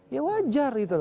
ya wajar itu loh